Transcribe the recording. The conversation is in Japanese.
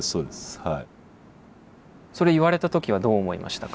それ言われた時はどう思いましたか？